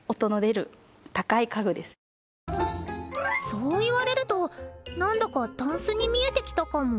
そう言われるとなんだかタンスに見えてきたかも。